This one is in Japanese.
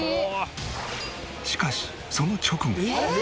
しかしその直後。